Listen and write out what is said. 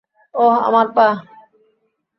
ওহ আমার পা।